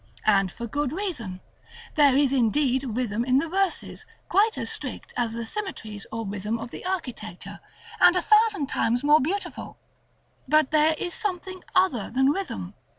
And for good reason: There is indeed rhythm in the verses, quite as strict as the symmetries or rhythm of the architecture, and a thousand times more beautiful, but there is something else than rhythm.